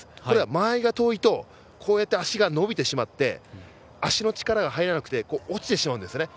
間合いが遠いと足が伸びてしまって足の力が入らなくて落ちてしまうんですね。